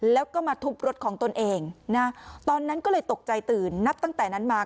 แล้วก็มาทุบรถของตนเองนะตอนนั้นก็เลยตกใจตื่นนับตั้งแต่นั้นมา